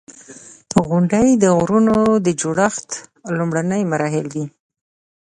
• غونډۍ د غرونو د جوړښت لومړني مراحل دي.